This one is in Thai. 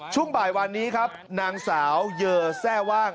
ช่วงบ่ายวันนี้ครับนางสาวเยอแทร่ว่าง